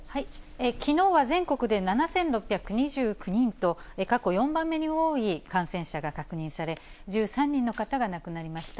きのうは全国で７６２９人と、過去４番目に多い感染者が確認され、１３人の方が亡くなりました。